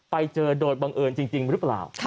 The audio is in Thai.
ไปเจอโดยบังเอิญจริงหรือเปล่า